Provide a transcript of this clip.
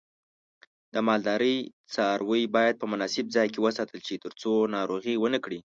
د مالدارۍ څاروی باید په مناسب ځای کې وساتل شي ترڅو ناروغي ونه کړي.